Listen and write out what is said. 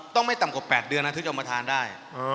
ต้องไม่ต่ำกว่า๘เดือนนะที่จะเอามาทานได้